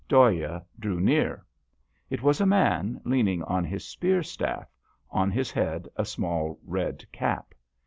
Dhoya drew nearer. It was a man leaning on his spear staff, on his head a small red cap.